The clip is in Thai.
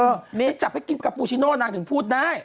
จะจับให้กินกาปูชิโน่นางถึงพูดนะ